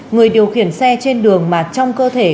người điều khiển xe trên đường mà trong cơ thể